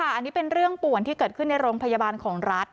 อันนี้เป็นเรื่องป่วนที่เกิดขึ้นในโรงพยาบาลของรัฐ